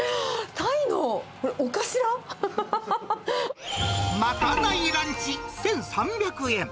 タイのこれ、まかないランチ１３００円。